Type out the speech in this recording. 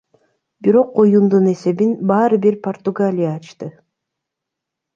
Бирок оюндун эсебин баары бир Португалия ачты.